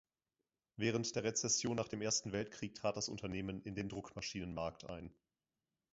Während der Rezession nach dem Ersten Weltkrieg trat das Unternehmen in den Druckmaschinenmarkt ein.